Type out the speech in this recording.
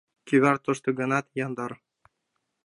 Кӱвар тошто гынат, яндар.